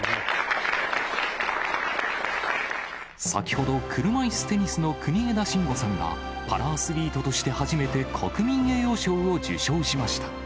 先ほど、車いすテニスの国枝慎吾さんが、パラアスリートとして初めて、国民栄誉賞を受賞しました。